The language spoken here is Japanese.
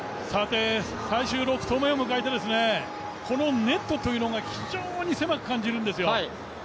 最終６投目を迎えて、このネットというのが非常に狭く感じるんですよ。